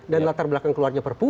dan latar belakang keluarnya perpu